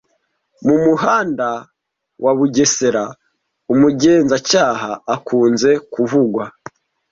Mumuhanda wa bugesera umugenzacyaha akunze kuvugwa